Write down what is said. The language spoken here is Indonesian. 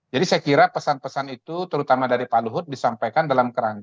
jadi saya kira pesan pesan itu terutama dari pak luhut disampaikan dalam kerangka